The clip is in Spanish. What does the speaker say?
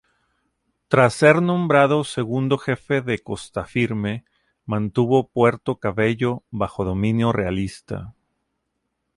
Tras ser nombrado segundo jefe de Costa Firme, mantuvo Puerto Cabello bajo dominio realista.